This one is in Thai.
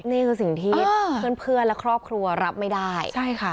นี่คือสิ่งที่เพื่อนเพื่อนและครอบครัวรับไม่ได้ใช่ค่ะ